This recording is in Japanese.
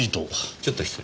ちょっと失礼。